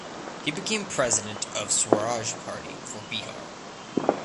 He became President of Swaraj Party for Bihar.